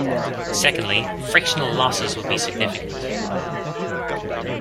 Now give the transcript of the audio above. Secondly, frictional losses would be significant.